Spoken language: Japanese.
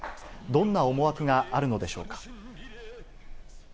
どんな思惑があるのでしょうか。